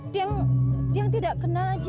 tiang tiang tidak kenal haji